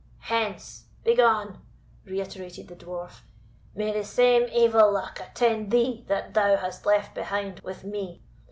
"Hence! begone!" reiterated the Dwarf; "may the same evil luck attend thee that thou hast left behind with me!